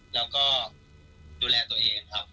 แล้วก็ดูแลตัวเองครับ